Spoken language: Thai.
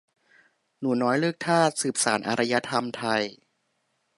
"หนูน้อยเลิกทาส สืบสานอารยธรรมไทย"